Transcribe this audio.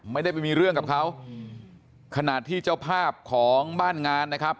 ไม่ได้ไปมีเรื่องกับเขาขณะที่เจ้าภาพของบ้านงานนะครับ